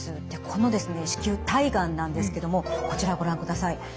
このですね子宮体がんなんですけどもこちらをご覧ください。